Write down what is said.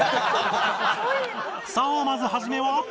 さあまず始めは